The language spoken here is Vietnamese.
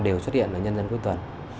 đều xuất hiện ở nhân dân cuối tuần